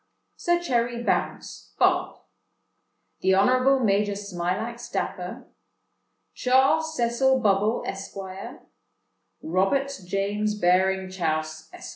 "Sir Cherry Bounce, Bart. "The Honourable Major Smilax Dapper. "Charles Cecil Bubble, Esq. "Robert James Baring Chouse, Esq.